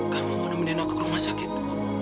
kamu mau menemani anak ke rumah sakit